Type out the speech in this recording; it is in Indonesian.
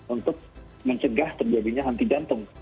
untuk mencegah terjadinya henti jantung